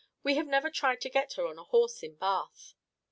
We have never tried to get her a horse in Bath."